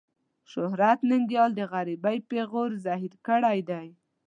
شهرت ننګيال د غريبۍ پېغور زهير کړی دی.